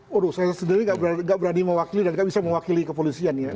waduh saya sendiri gak berani mewakili dan gak bisa mewakili kepolisian ya